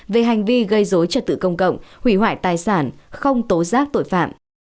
về hành vi gây dối trật tự công cộng hủy hoại tài sản không tố giác tội phạm